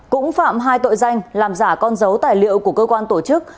cũng phạm hai tội danh làm giả con dấu tài liệu của cơ quan tổ chức